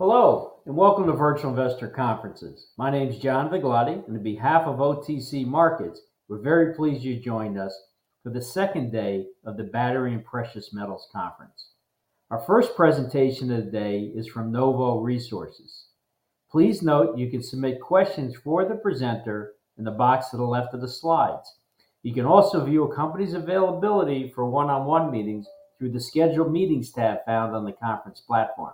Hello, and welcome to Virtual Investor conferences. My name is John Vigliotti, and on behalf of OTC Markets, we're very pleased you joined us for the second day of the Battery and Precious Metals Conference. Our first presentation of the day is from Novo Resources. Please note you can submit questions for the presenter in the box to the left of the slides. You can also view a company's availability for one-on-one meetings through the Schedule Meetings tab found on the conference platform.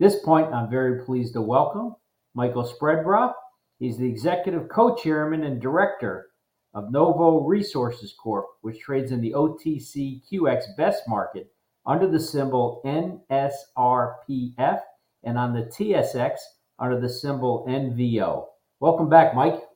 At this point, I'm very pleased to welcome Michael Spreadborough. He's the Executive Co-chairman and Director of Novo Resources Corp, which trades in the OTCQX Best Market under the symbol NSRPF, and on the TSX under the symbol NVO. Welcome back, Michael.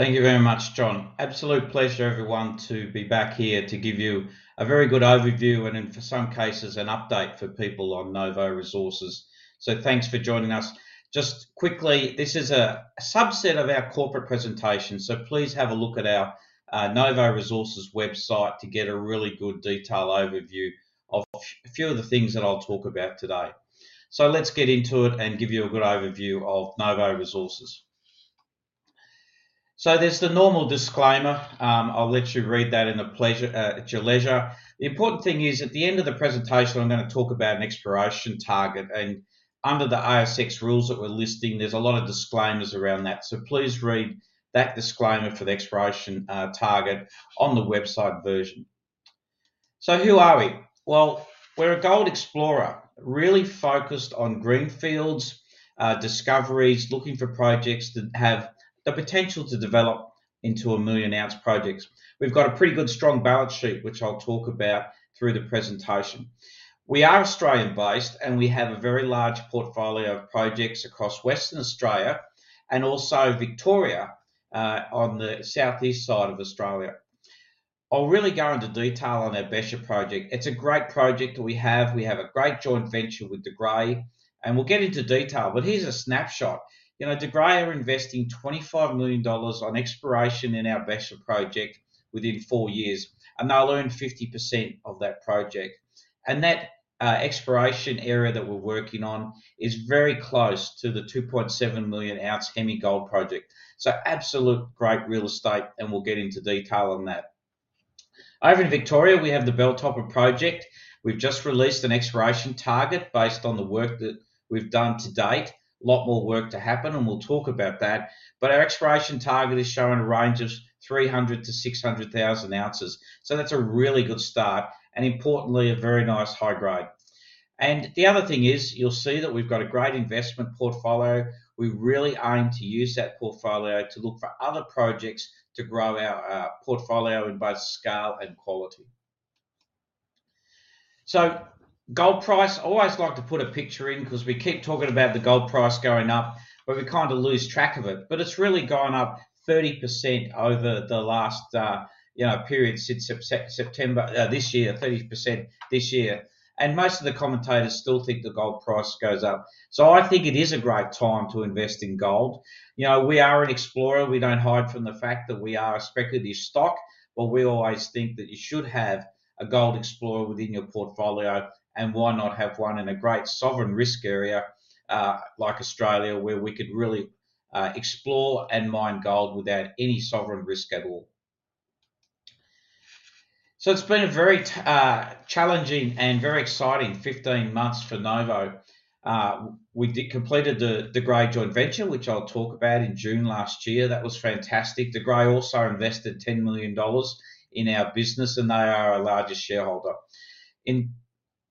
Thank you very much, John. Absolute pleasure, everyone, to be back here to give you a very good overview, and in some cases, an update for people on Novo Resources. So thanks for joining us. Just quickly, this is a subset of our corporate presentation, so please have a look at our Novo Resources website to get a really good detailed overview of a few of the things that I'll talk about today. So let's get into it and give you a good overview of Novo Resources. So there's the normal disclaimer. I'll let you read that at your leisure. The important thing is, at the end of the presentation, I'm going to talk about an exploration target, and under the ASX rules that we're listing, there's a lot of disclaimers around that. Please read that disclaimer for the exploration target on the website version. Who are we? We're a gold explorer, really focused on greenfields discoveries, looking for projects that have the potential to develop into a million-ounce projects. We've got a pretty good, strong balance sheet, which I'll talk about through the presentation. We are Australian-based, and we have a very large portfolio of projects across Western Australia and also Victoria, on the southeast side of Australia. I'll really go into detail on our Becher Project. It's a great project that we have. We have a great joint venture with De Grey, and we'll get into detail. Here's a snapshot. You know, De Grey are investing 25 million dollars on exploration in our Becher Project within four years, and they'll own 50% of that project. That exploration area that we're working on is very close to the 2.7 million-ounce Hemi gold project. So absolutely great real estate, and we'll get into detail on that. Over in Victoria, we have the Belltopper project. We've just released an exploration target based on the work that we've done to date. A lot more work to happen, and we'll talk about that, but our exploration target is showing a range of 300-600 thousand ounces. So that's a really good start, and importantly, a very nice high-grade. The other thing is, you'll see that we've got a great investment portfolio. We really aim to use that portfolio to look for other projects to grow our portfolio in both scale and quality. So gold price, I always like to put a picture in because we keep talking about the gold price going up, but we kind of lose track of it. But it's really gone up 30% over the last, you know, period since September this year, 30% this year. And most of the commentators still think the gold price goes up. So I think it is a great time to invest in gold. You know, we are an explorer. We don't hide from the fact that we are a speculative stock, but we always think that you should have a gold explorer within your portfolio. And why not have one in a great sovereign risk area, like Australia, where we could really explore and mine gold without any sovereign risk at all? So it's been a very challenging and very exciting fifteen months for Novo. We did completed the De Grey joint venture, which I'll talk about in June last year. That was fantastic. De Grey also invested 10 million dollars in our business, and they are our largest shareholder.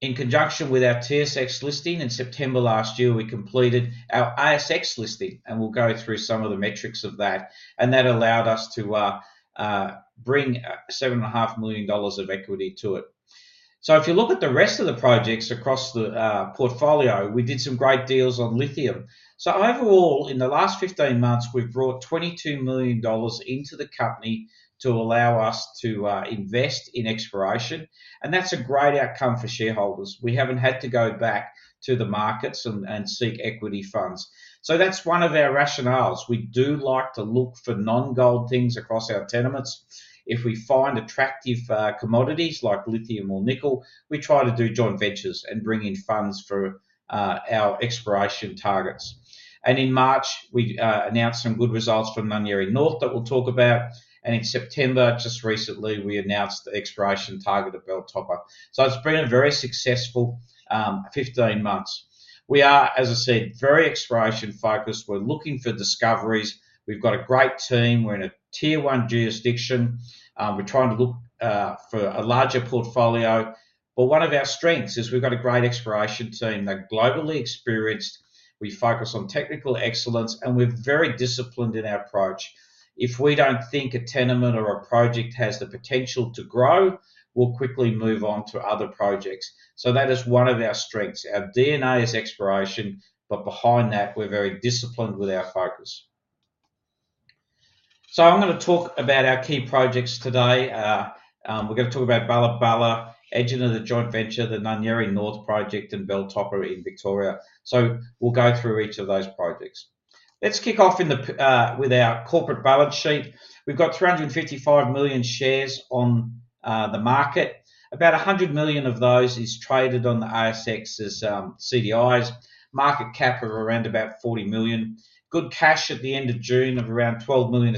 In conjunction with our TSX listing in September last year, we completed our ASX listing, and we'll go through some of the metrics of that, and that allowed us to bring 7.5 million dollars of equity to it. So if you look at the rest of the projects across the portfolio, we did some great deals on lithium. So overall, in the last fifteen months, we've brought 22 million dollars into the company to allow us to invest in exploration, and that's a great outcome for shareholders. We haven't had to go back to the markets and seek equity funds, so that's one of our rationales. We do like to look for non-gold things across our tenements. If we find attractive commodities like lithium or nickel, we try to do joint ventures and bring in funds for our exploration targets, and in March we announced some good results from Nunyerry North that we'll talk about, and in September, just recently, we announced the exploration target of Belltopper, so it's been a very successful fifteen months. We are, as I said, very exploration-focused. We're looking for discoveries. We've got a great team. We're in a Tier One jurisdiction. We're trying to look for a larger portfolio, but one of our strengths is we've got a great exploration team. They're globally experienced, we focus on technical excellence, and we're very disciplined in our approach. If we don't think a tenement or a project has the potential to grow, we'll quickly move on to other projects. So that is one of our strengths. Our DNA is exploration, but behind that, we're very disciplined with our focus. So I'm going to talk about our key projects today. We're going to talk about Balla Balla, Egina, the joint venture, the Nunyerry North project, and Belltopper in Victoria. So we'll go through each of those projects. Let's kick off with our corporate balance sheet. We've got 355 million shares on the market. About 100 million of those is traded on the ASX as CDIs. Market cap of around about 40 million. Good cash at the end of June of around 12 million,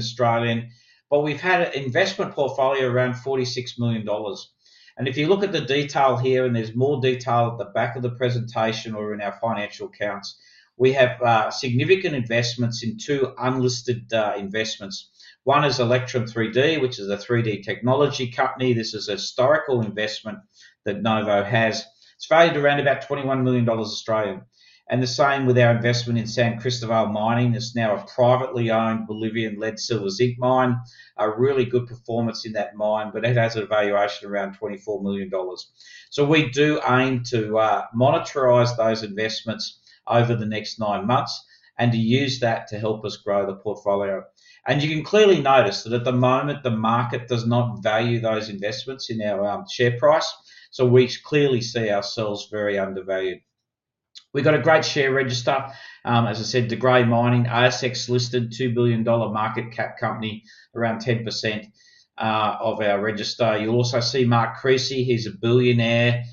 but we've had an investment portfolio around 46 million dollars. And if you look at the detail here, and there's more detail at the back of the presentation or in our financial accounts, we have significant investments in two unlisted investments. One is Electrum 3D, which is a 3D technology company. This is a historical investment that Novo has. It's valued around about 21 million Australian dollars, and the same with our investment in San Cristobal Mining. It's now a privately owned Bolivian lead silver zinc mine. A really good performance in that mine, but it has a valuation around 24 million dollars. So we do aim to monetize those investments over the next nine months and to use that to help us grow the portfolio. You can clearly notice that at the moment, the market does not value those investments in our share price, so we clearly see ourselves very undervalued. We've got a great share register. As I said, De Grey Mining, ASX-listed, 2 billion dollar market cap company, around 10% of our register. You'll also see Mark Creasy. He's a billionaire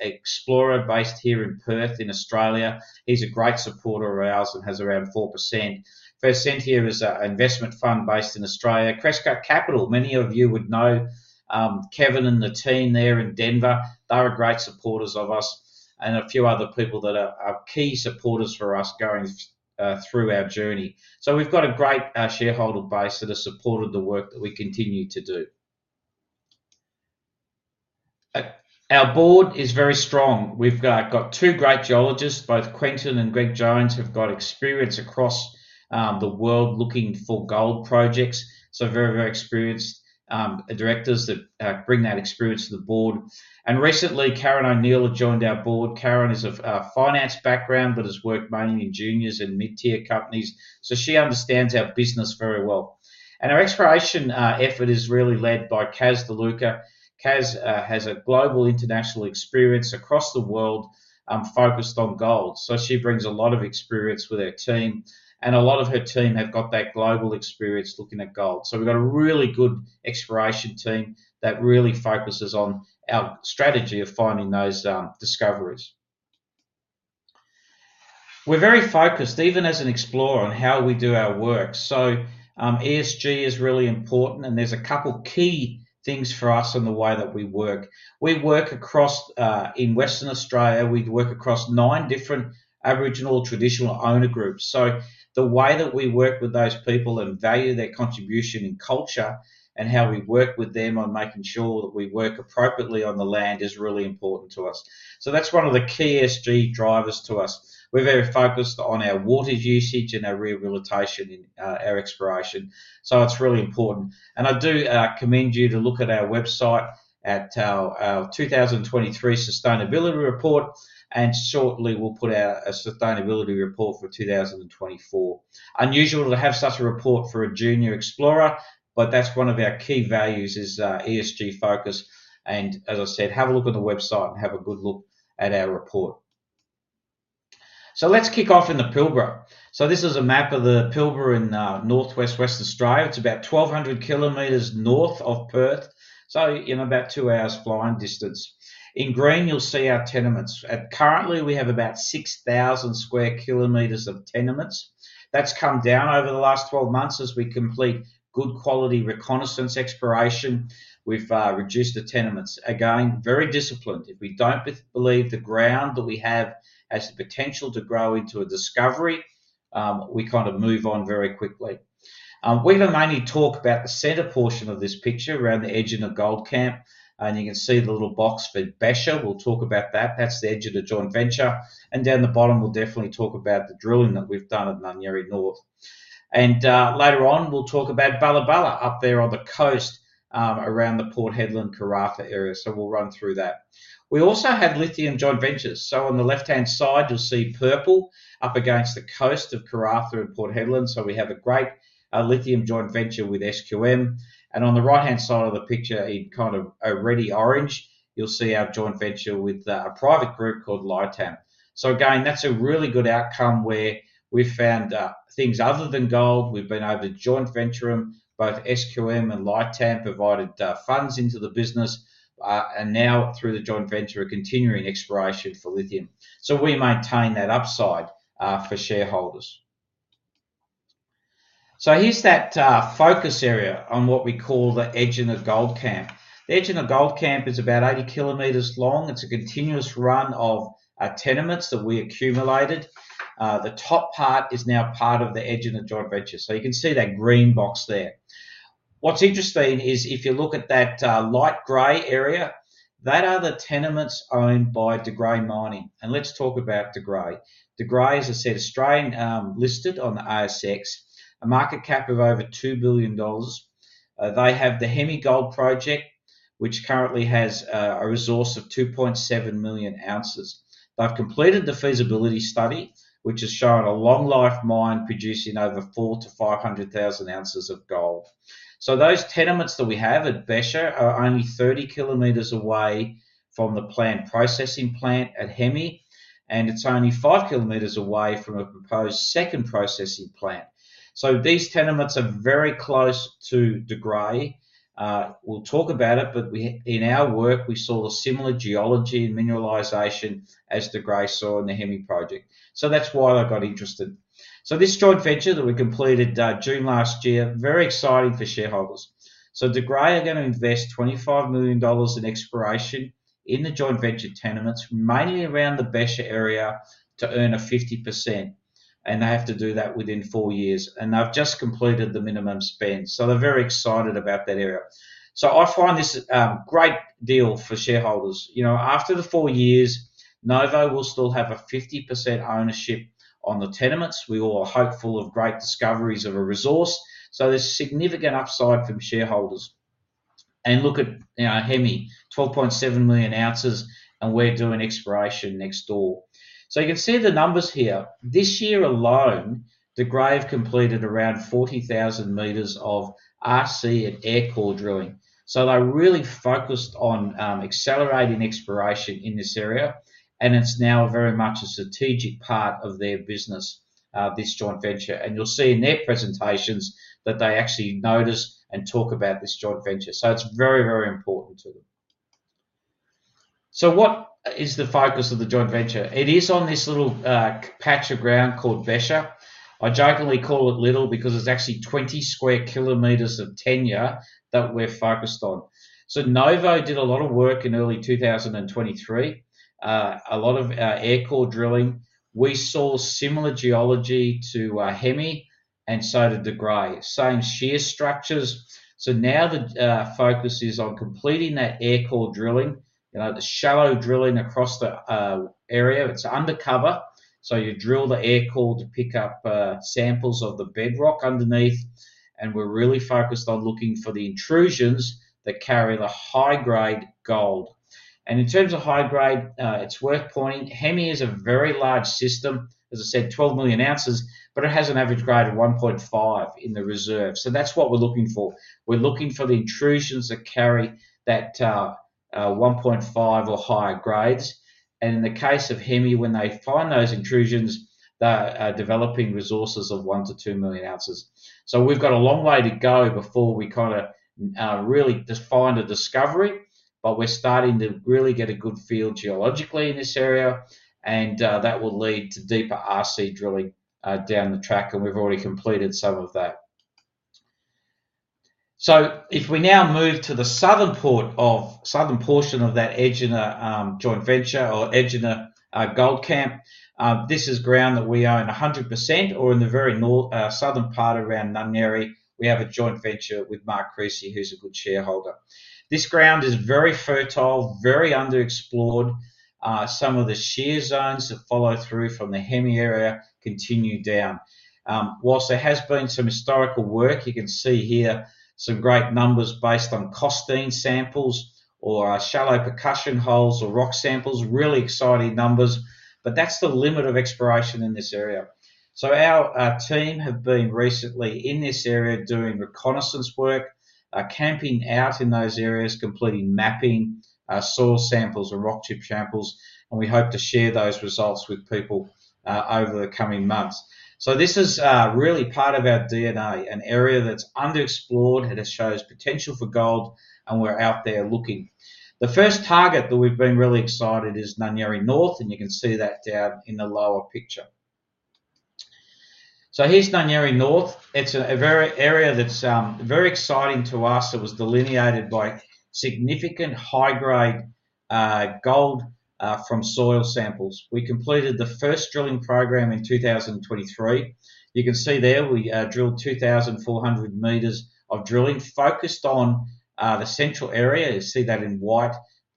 explorer based here in Perth, in Australia. He's a great supporter of ours and has around 4%. Faircent here is an investment fund based in Australia. Crescat Capital, many of you would know, Kevin and the team there in Denver. They are great supporters of us and a few other people that are key supporters for us going through our journey. So we've got a great shareholder base that has supported the work that we continue to do. Our board is very strong. We've got two great geologists. Both Quentin and Greg Jones have got experience across the world looking for gold projects, so very experienced directors that bring that experience to the board. And recently, Karen O'Neill joined our board. Karen is of finance background but has worked mainly in juniors and mid-tier companies, so she understands our business very well. And our exploration effort is really led by Kas De Luca. Kas has a global international experience across the world focused on gold. So she brings a lot of experience with our team, and a lot of her team have got that global experience looking at gold. So we've got a really good exploration team that really focuses on our strategy of finding those discoveries. We're very focused, even as an explorer, on how we do our work. So, ESG is really important, and there's a couple key things for us in the way that we work. We work across in Western Australia, we work across nine different Aboriginal traditional owner groups. So the way that we work with those people and value their contribution and culture, and how we work with them on making sure that we work appropriately on the land, is really important to us. So that's one of the key ESG drivers to us. We're very focused on our water usage and our rehabilitation in our exploration, so it's really important. And I do commend you to look at our website at our 2023 sustainability report, and shortly, we'll put out a sustainability report for 2024. Unusual to have such a report for a junior explorer, but that's one of our key values, is ESG focus, and as I said, have a look at the website and have a good look at our report. So let's kick off in the Pilbara. So this is a map of the Pilbara in northwest Western Australia. It's about twelve hundred kilometers north of Perth, so in about two hours' flying distance. In green, you'll see our tenements. Currently, we have about six thousand square kilometers of tenements. That's come down over the last twelve months as we complete good quality reconnaissance exploration. We've reduced the tenements. Again, very disciplined. If we don't believe the ground that we have has the potential to grow into a discovery, we kind of move on very quickly. We're gonna mainly talk about the center portion of this picture, around the Egina Gold Camp, and you can see the little box for Becher. We'll talk about that. That's the Egina joint venture. Down the bottom, we'll definitely talk about the drilling that we've done at Nunyerry North. Later on, we'll talk about Balla Balla, up there on the coast, around the Port Hedland Karratha area. We'll run through that. We also have lithium joint ventures. On the left-hand side, you'll see purple up against the coast of Karratha and Port Hedland. We have a great lithium joint venture with SQM, and on the right-hand side of the picture, in kind of a reddy orange, you'll see our joint venture with a private group called Liatam. So again, that's a really good outcome where we've found things other than gold. We've been able to joint venture them. Both SQM and Liatam provided funds into the business, and now through the joint venture, are continuing exploration for lithium. So we maintain that upside for shareholders. So here's that focus area on what we call the Egina Gold Camp. The Egina Gold Camp is about 80 km long. It's a continuous run of tenements that we accumulated. The top part is now part of the Egina joint venture. So you can see that green box there. What's interesting is if you look at that light gray area, that are the tenements owned by De Grey Mining, and let's talk about De Grey. De Grey, as I said, Australian, listed on the ASX, a market cap of over 2 billion dollars. They have the Hemi Gold Project, which currently has a resource of 2.7 million ounces. They've completed the feasibility study, which has shown a long-life mine producing over 400,000-500,000 ounces of gold. So those tenements that we have at Becher are only 30 kilometers away from the processing plant at Hemi, and it's only 5 kilometers away from a proposed second processing plant. So these tenements are very close to De Grey. We'll talk about it, but we, in our work, we saw a similar geology and mineralization as De Grey saw in the Hemi project. So that's why I got interested. So this joint venture that we completed June last year, very exciting for shareholders. De Grey are gonna invest 25 million dollars in exploration in the joint venture tenements, mainly around the Becher area, to earn 50%, and they have to do that within 4 years, and they've just completed the minimum spend, so they're very excited about that area. I find this great deal for shareholders. You know, after the 4 years, Novo will still have 50% ownership on the tenements. We all are hopeful of great discoveries of a resource, so there's significant upside from shareholders, and look at, you know, Hemi, 12.7 million ounces, and we're doing exploration next door, so you can see the numbers here. This year alone, De Grey have completed around 40,000 meters of RC and air core drilling. They're really focused on accelerating exploration in this area, and it's now very much a strategic part of their business, this joint venture. You'll see in their presentations that they actually notice and talk about this joint venture, so it's very, very important to them. What is the focus of the joint venture? It is on this little patch of ground called Becher. I jokingly call it little because it's actually 20 square kilometers of tenure that we're focused on. Novo did a lot of work in early two thousand and twenty-three. A lot of air core drilling. We saw similar geology to Hemi, and so did De Grey. Same shear structures. Now the focus is on completing that air core drilling. You know, the shallow drilling across the area. It's undercover, so you drill the air core to pick up samples of the bedrock underneath, and we're really focused on looking for the intrusions that carry the high-grade gold. In terms of high-grade, it's worth pointing, Hemi is a very large system. As I said, 12 million ounces, but it has an average grade of 1.5 in the reserve. That's what we're looking for. We're looking for the intrusions that carry that 1.5 or higher grades. In the case of Hemi, when they find those intrusions, they are developing resources of 1 million-2 million ounces. So we've got a long way to go before we kind of really just find a discovery, but we're starting to really get a good feel geologically in this area, and that will lead to deeper RC drilling down the track, and we've already completed some of that. So if we now move to the southern portion of that Egina joint venture or Egina gold camp, this is ground that we own a hundred percent, or in the very southern part around Nunyerry North, we have a joint venture with Mark Creasy, who's a good shareholder. This ground is very fertile, very underexplored. Some of the shear zones that follow through from the Hemi area continue down. While there has been some historical work, you can see here some great numbers based on costean samples or shallow percussion holes or rock samples. Really exciting numbers, but that's the limit of exploration in this area. Our team have been recently in this area doing reconnaissance work, camping out in those areas, completing mapping, soil samples or rock chip samples, and we hope to share those results with people over the coming months. This is really part of our DNA, an area that's underexplored, and it shows potential for gold, and we're out there looking. The first target that we've been really excited is Nunyerry North, and you can see that down in the lower picture. Here's Nunyerry North. It's a very area that's very exciting to us that was delineated by significant high-grade gold from soil samples. We completed the first drilling program in 2023. You can see there, we drilled 2,400 meters of drilling focused on the central area. You see that in white,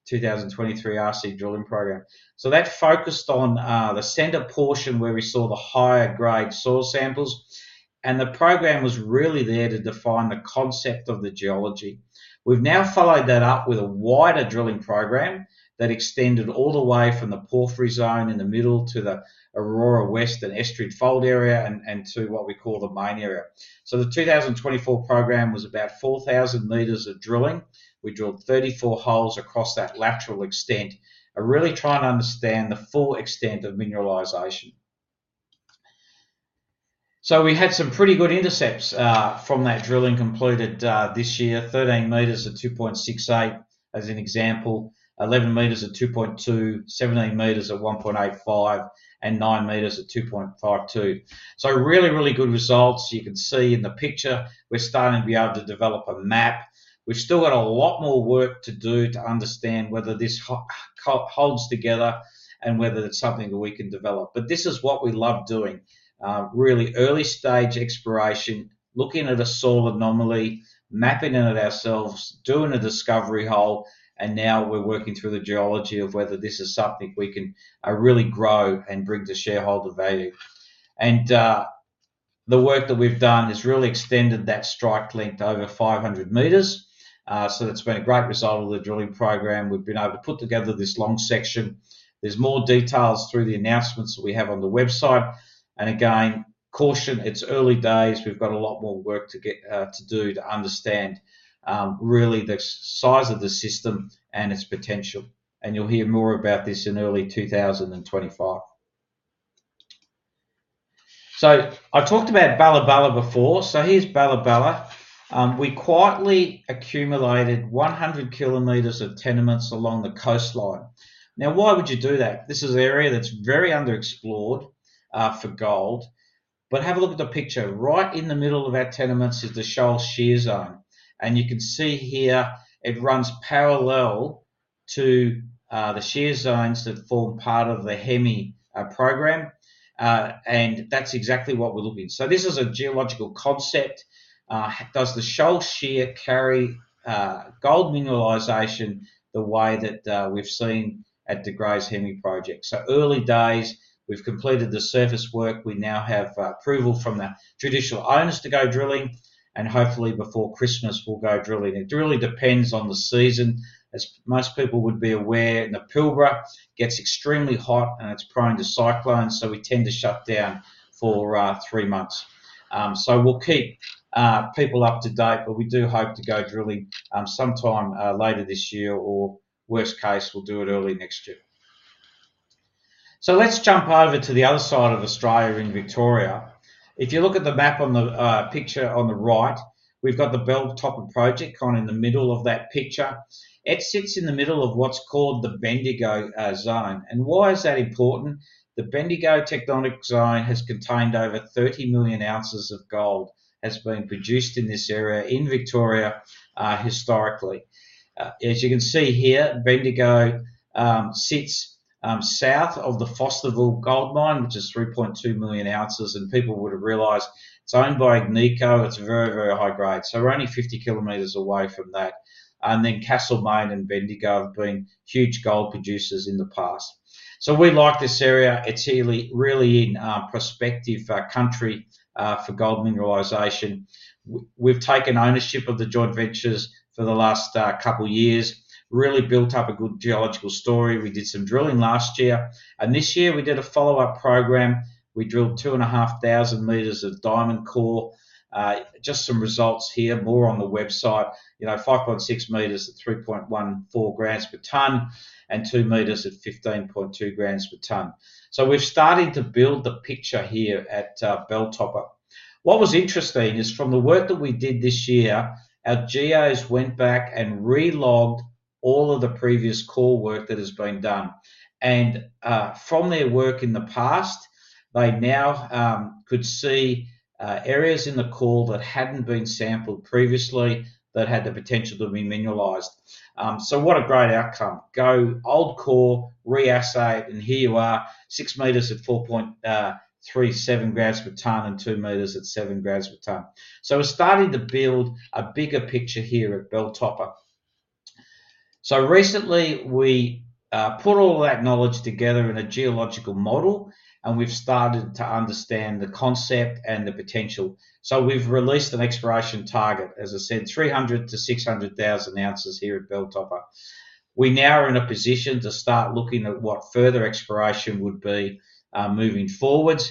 2023 RC drilling program. So that focused on the center portion where we saw the higher-grade soil samples, and the program was really there to define the concept of the geology. We've now followed that up with a wider drilling program that extended all the way from the porphyry zone in the middle to the Aurora West and Estrid Fold area and to what we call the main area. So the 2024 program was about 4,000 meters of drilling. We drilled 34 holes across that lateral extent and really trying to understand the full extent of mineralization. So we had some pretty good intercepts from that drilling completed this year. 13 meters at two point six eight, as an example. 11 meters at two point two, 17 meters at one point eight five, and nine meters at two point five two. So really, really good results. You can see in the picture, we're starting to be able to develop a map. We've still got a lot more work to do to understand whether this holds together and whether it's something that we can develop. But this is what we love doing. Really early stage exploration, looking at a soil anomaly, mapping it ourselves, doing a discovery hole, and now we're working through the geology of whether this is something we can really grow and bring to shareholder value. And the work that we've done has really extended that strike length over 500 meters. So that's been a great result of the drilling program. We've been able to put together this long section. There's more details through the announcements we have on the website. And again, caution, it's early days. We've got a lot more work to get to do to understand really the size of the system and its potential. And you'll hear more about this in early 2025. So I talked about Balla Balla before. So here's Balla Balla. We quietly accumulated 100 kilometers of tenements along the coastline. Now, why would you do that? This is an area that's very underexplored for gold. But have a look at the picture. Right in the middle of our tenements is the Sholl Shear Zone, and you can see here it runs parallel to the shear zones that form part of the Hemi program. And that's exactly what we're looking. So this is a geological concept. Does the Sholl Shear carry gold mineralization the way that we've seen at De Grey's Hemi project? So early days, we've completed the surface work. We now have approval from the traditional owners to go drilling, and hopefully, before Christmas, we'll go drilling. It really depends on the season. As most people would be aware, the Pilbara gets extremely hot, and it's prone to cyclones, so we tend to shut down for three months. We'll keep people up to date, but we do hope to go drilling sometime later this year, or worst case, we'll do it early next year. Let's jump over to the other side of Australia in Victoria. If you look at the map on the picture on the right, we've got the Belltopper project kind of in the middle of that picture. It sits in the middle of what's called the Bendigo Zone. And why is that important? The Bendigo tectonic zone has contained over thirty million ounces of gold has been produced in this area in Victoria historically. As you can see here, Bendigo sits south of the Fosterville gold mine, which is 3.2 million ounces, and people would have realized it's owned by Agnico. It's very, very high grade. So we're only 50 kilometers away from that. And then Castlemaine and Bendigo have been huge gold producers in the past. So we like this area. It's really, really in prospective country for gold mineralization. We've taken ownership of the joint ventures for the last couple of years, really built up a good geological story. We did some drilling last year, and this year we did a follow-up program. We drilled 2,500 meters of diamond core. Just some results here, more on the website. You know, five point six meters at three point one four grams per ton and two meters at fifteen point two grams per ton. We're starting to build the picture here at Belltopper. What was interesting is from the work that we did this year, our geos went back and re-logged all of the previous core work that has been done. From their work in the past, they now could see areas in the core that hadn't been sampled previously that had the potential to be mineralized. So what a great outcome. Go old core, re-assay, and here you are, six meters at four point three seven grams per ton and two meters at seven grams per ton. We're starting to build a bigger picture here at Belltopper. Recently, we put all that knowledge together in a geological model, and we've started to understand the concept and the potential. We've released an exploration target. As I said, 300 to 600 thousand ounces here at Belltopper. We now are in a position to start looking at what further exploration would be moving forward,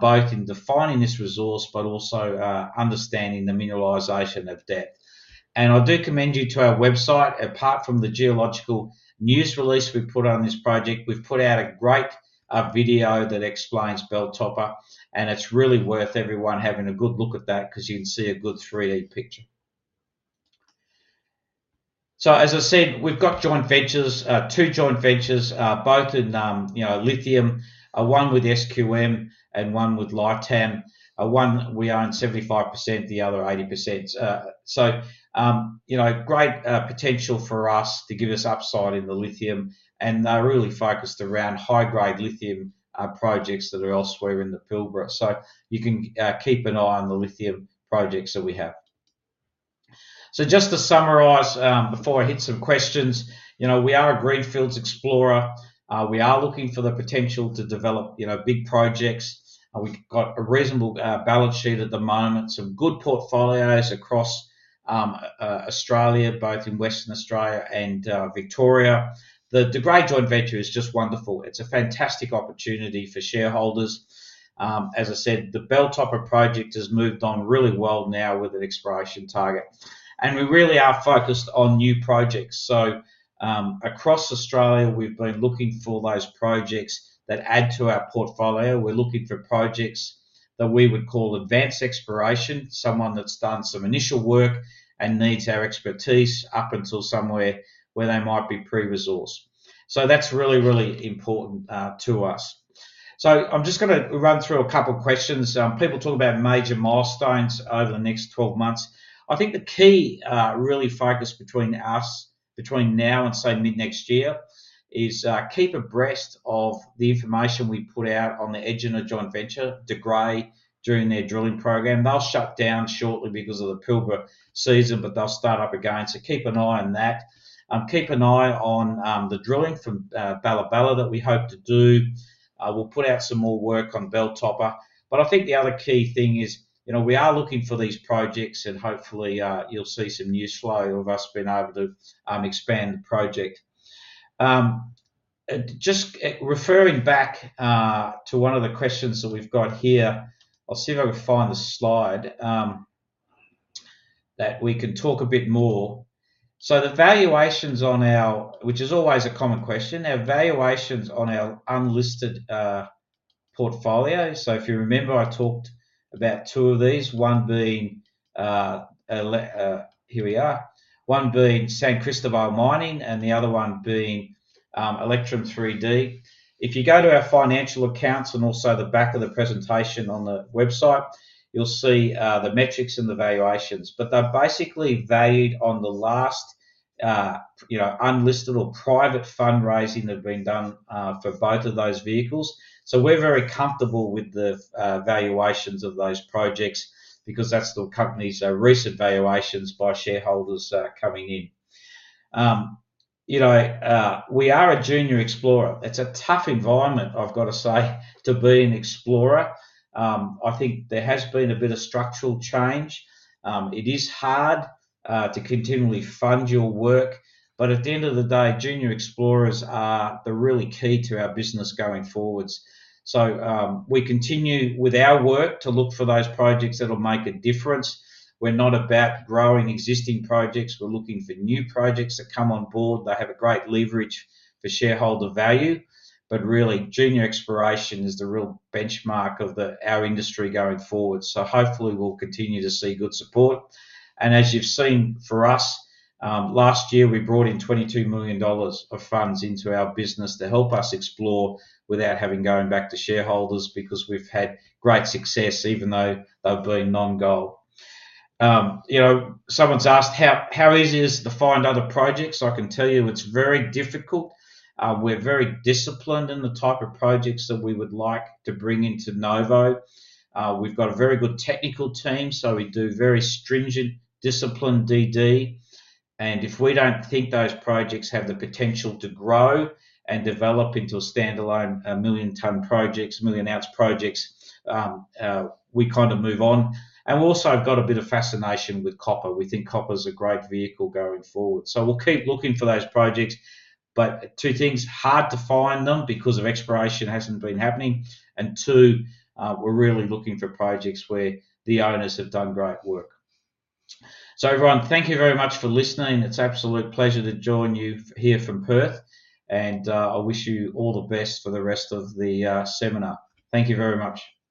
both in defining this resource, but also understanding the mineralization at depth. And I do commend you to our website. Apart from the geological news release we've put on this project, we've put out a great video that explains Belltopper, and it's really worth everyone having a good look at that because you can see a good 3D picture. So as I said, we've got joint ventures, two joint ventures, both in, you know, lithium, one with SQM and one with Liatam. One, we own 75%, the other 80%. So, you know, great potential for us to give us upside in the lithium, and they're really focused around high-grade lithium projects that are elsewhere in the Pilbara. So you can keep an eye on the lithium projects that we have. So just to summarize, before I hit some questions, you know, we are a greenfields explorer. We are looking for the potential to develop, you know, big projects. We've got a reasonable balance sheet at the moment, some good portfolios across Australia, both in Western Australia and Victoria. The De Grey joint venture is just wonderful. It's a fantastic opportunity for shareholders. As I said, the Belltopper project has moved on really well now with an exploration target, and we really are focused on new projects. So, across Australia, we've been looking for those projects that add to our portfolio. We're looking for projects that we would call advanced exploration, someone that's done some initial work and needs our expertise up until somewhere where they might be pre-resource. So that's really, really important to us. So I'm just gonna run through a couple of questions. People talk about major milestones over the next twelve months. I think the key really focus between us, between now and say, mid-next year, is keep abreast of the information we put out on the Egina joint venture, De Grey, during their drilling program. They'll shut down shortly because of the Pilbara season, but they'll start up again, so keep an eye on that. Keep an eye on the drilling from Balla Balla that we hope to do. We'll put out some more work on Belltopper. But I think the other key thing is, you know, we are looking for these projects, and hopefully you'll see some news flow of us being able to expand the project. Just referring back to one of the questions that we've got here. I'll see if I can find the slide that we can talk a bit more. The valuations on our, which is always a common question, our valuations on our unlisted portfolio. So if you remember, I talked about two of these. One being here we are. One being San Cristobal Mining, and the other one being, Electrum 3D. If you go to our financial accounts and also the back of the presentation on the website, you'll see, the metrics and the valuations. But they're basically valued on the last, you know, unlisted or private fundraising that have been done, for both of those vehicles. So we're very comfortable with the, valuations of those projects because that's the company's, recent valuations by shareholders, coming in. You know, we are a junior explorer. It's a tough environment, I've got to say, to be an explorer. I think there has been a bit of structural change. It is hard, to continually fund your work, but at the end of the day, junior explorers are the really key to our business going forwards. So, we continue with our work to look for those projects that'll make a difference. We're not about growing existing projects. We're looking for new projects that come on board, that have a great leverage for shareholder value. But really, junior exploration is the real benchmark of the, our industry going forward. So hopefully, we'll continue to see good support. And as you've seen for us, last year, we brought in 22 million dollars of funds into our business to help us explore without having going back to shareholders, because we've had great success, even though they've been non-gold. You know, someone's asked, "How easy is it to find other projects?" I can tell you it's very difficult. We're very disciplined in the type of projects that we would like to bring into Novo. We've got a very good technical team, so we do very stringent, disciplined DD. And if we don't think those projects have the potential to grow and develop into a standalone, million-ton projects, million-ounce projects, we kind of move on. And we've also got a bit of fascination with copper. We think copper is a great vehicle going forward. So we'll keep looking for those projects. But two things, hard to find them because of exploration hasn't been happening, and two, we're really looking for projects where the owners have done great work. So everyone, thank you very much for listening. It's an absolute pleasure to join you here from Perth, and I wish you all the best for the rest of the seminar. Thank you very much.